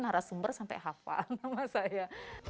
narasumber sampai hafal nama saya